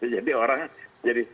jadi orang jadi